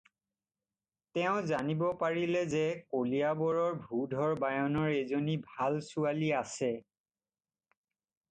তেওঁ জানিব পাৰিলে যে কলিয়াবৰৰ ভূধৰ বায়নৰ এজনী ভাল ছোৱালী আছে।